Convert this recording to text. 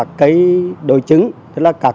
chiến ông minh trân